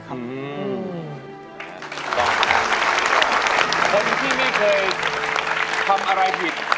โทษให้